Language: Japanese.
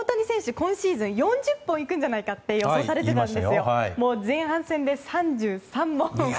今シーズン４０本いくんじゃないかと予想されていたんですよ。